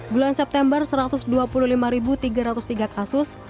bulan september satu ratus dua puluh lima tiga ratus tiga kasus